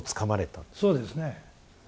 そうですね。